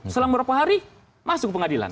selang berapa hari masuk ke pengadilan